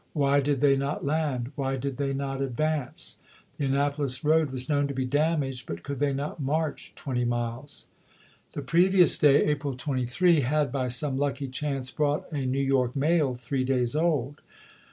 Why did they not land I Why did they not advance? The Annapolis road was known to be damaged ; but could they not march twenty miles ? The previous day (April 23) had, by some lucky chance, brought a New York mail three days old.